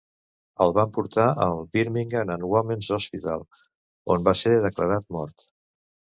El van portar al Brigham and Women's Hospital, on va ser declarat mort.